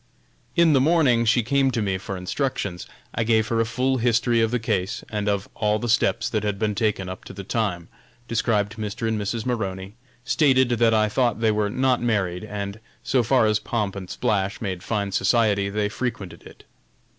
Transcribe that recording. In the morning she came to me for instructions. I gave her a full history of the case, and of all the steps that had been taken up to the time; described Mr. and Mrs. Maroney, stated that I thought they were not married, and, so far as pomp and splash made fine society, they frequented it.